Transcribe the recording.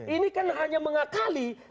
ini kan hanya mengakali